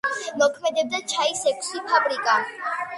მოქმედებდა ჩაის ექვსი ფაბრიკა.